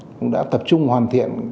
cũng đã tập trung hoàn thiện